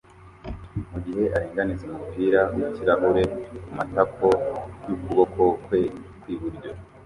mugihe aringaniza umupira wikirahure kumatako yukuboko kwe kwi buryo